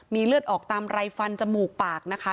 มีเลือดออกตามไรฟันจมูกปากนะคะ